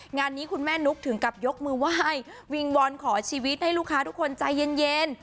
งานนี้คุณแม่นุ๊กถึงกับยกมือไหว้วิงวอนขอชีวิตให้ลูกค้าทุกคนใจเย็น